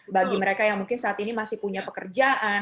bagi mereka yang mungkin saat ini masih punya pekerjaan